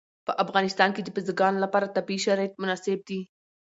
په افغانستان کې د بزګانو لپاره طبیعي شرایط مناسب دي.